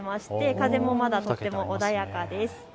風もまだとっても穏やかです。